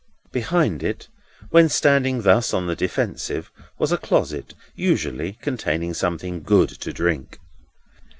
Behind it, when standing thus on the defensive, was a closet, usually containing something good to drink.